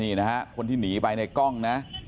นี่นะฮะคนที่หนีไปในกล้องนะ